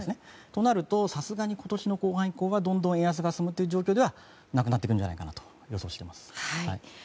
となるとさすがに今年の後半は円安が進むという状況ではなくなってくるんじゃないかと思います。